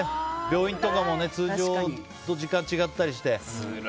病院とかも通常と時間が違ったりして。